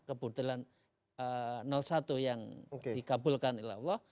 kebetulan satu yang dikabulkan oleh allah